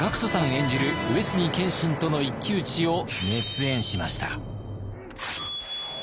演じる上杉謙信との一騎打ちを熱演しました。